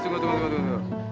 tunggu tunggu tunggu tunggu